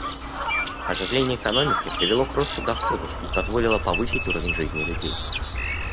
Оживление экономики привело к росту доходов и позволило повысить уровень жизни людей.